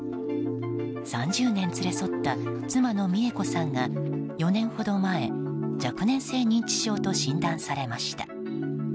３０年連れ添った妻の三恵子さんが４年程前若年性認知症と診断されました。